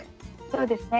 そうですね。